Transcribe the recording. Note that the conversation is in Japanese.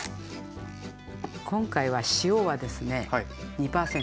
今回は塩はですね２％。